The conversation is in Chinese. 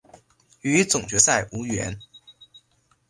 与总决赛无缘。